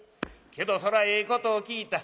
けどそらええことを聞いた。